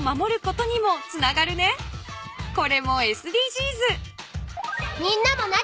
これもＳＤＧｓ。